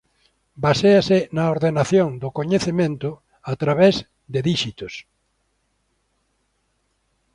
Baséase na ordenación do coñecemento a través de díxitos.